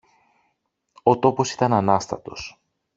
Ο τόπος ήταν ανάστατος.